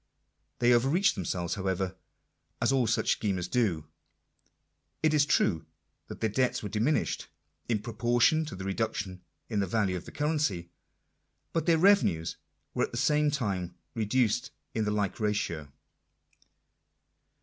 They overreached themselves, however, as all such schemers do. It is true that their debts were diminished " in proportion to the reduction in the value of the currency ; but their revenues were at the same time re duced in the like ratio.